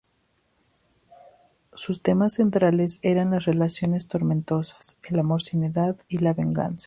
Sus temas centrales eran las relaciones tormentosas, el amor sin edad y la venganza.